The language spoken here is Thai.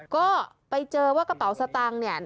ก็ไปเจอว่ากระเป๋าสตางค์เนี่ย